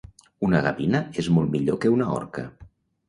Una gavina és molt millor que una orca